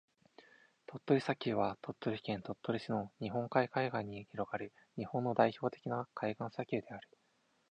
鳥取砂丘は、鳥取県鳥取市の日本海海岸に広がる日本の代表的な海岸砂丘である。